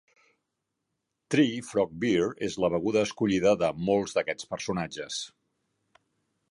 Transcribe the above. "Tree Frog Beer" és la beguda escollida de molts d'aquests personatges.